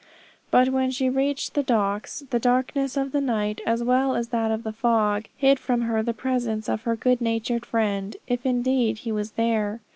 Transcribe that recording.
But when she reached the docks, the darkness of the night, as well as that of the fog, hid from her the presence of her good natured friend, if indeed he was there.